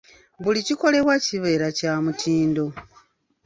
Buli kikolebwa kibeere kya mutindo.